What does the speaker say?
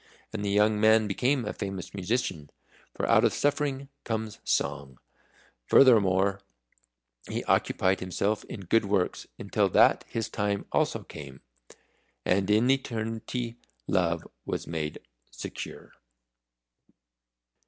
And the young man became a famous musician. For out of suffering comes song. Furthermore, he occupied himself in good works until that his time also came. And in Eternity Love was made secure.